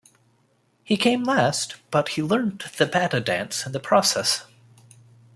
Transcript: He came last, but he learned the Bata dance in the process.